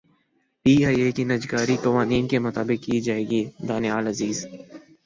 P I A کی نجکاری قوانین کے مطابق کی جائے گی دانیال عزیز